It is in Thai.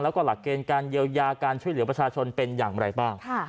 แล้วก็หลักเกณฑ์การเยียวยาการช่วยเหลือประชาชนเป็นอย่างไรบ้าง